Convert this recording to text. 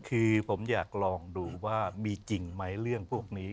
คือผมอยากลองดูว่ามีจริงไหมเรื่องพวกนี้